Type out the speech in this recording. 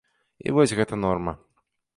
І вось гэта норма.